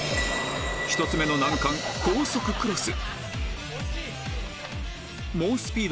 １つ目の難関高速クロス